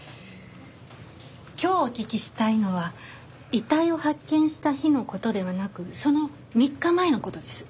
今日お聞きしたいのは遺体を発見した日の事ではなくその３日前の事です。